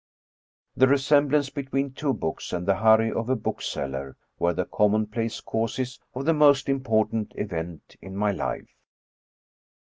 The resemblance between two books, and the hurry of a bookseller, were the commonplace causes of the most im portant event in my life.